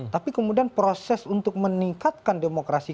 tapi kemudian proses untuk meningkatkan demokrasi